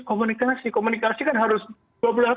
komunikasi komunikasi kan harus dua belah